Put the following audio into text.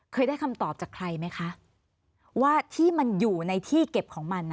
ได้คำตอบจากใครไหมคะว่าที่มันอยู่ในที่เก็บของมัน